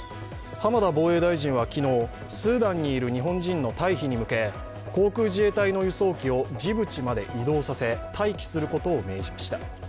浜田防衛大臣は昨日スーダンにいる日本人の退避に向け航空自衛隊の輸送機をジブチまで移動させ、待機することを命じました。